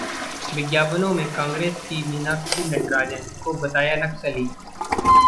विज्ञापनों में कांग्रेस की मीनाक्षी नटराजन को बताया नक्सली